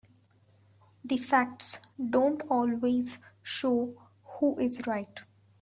The facts don't always show who is right.